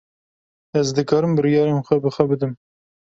Ez dikarim biryarên xwe bi xwe bidim.